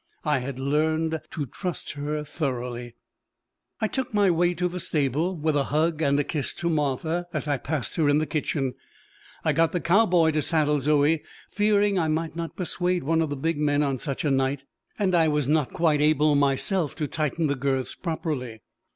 I had learned to trust her thoroughly. I took my way to the stable, with a hug and a kiss to Martha as I passed her in the kitchen, I got the cowboy to saddle Zoe, fearing I might not persuade one of the big men on such a night, and I was not quite able myself to tighten the girths properly.